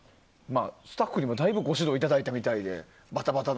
スタッフにもだいぶご指導いただいたみたいで。